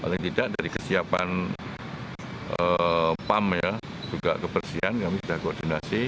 paling tidak dari kesiapan pam ya juga kebersihan kami sudah koordinasi